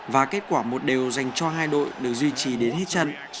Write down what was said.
và kết quả một đều dành cho hai đội được duy trì đến hết trận